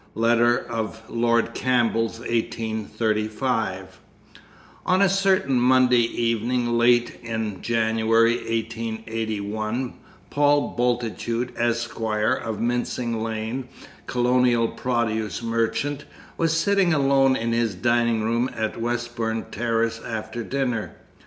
Letter of Lord Campbell's, 1835. On a certain Monday evening late in January, 1881, Paul Bultitude, Esq. (of Mincing Lane, Colonial Produce Merchant), was sitting alone in his dining room at Westbourne Terrace after dinner.